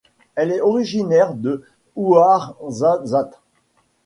Elle est originaire de Ouarzazate.